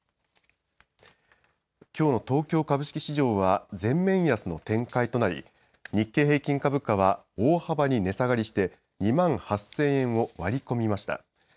きょうの東京株式市場は全面安の展開となり日経平均株価は大幅に値下がりして２万８０００円を割り込みました。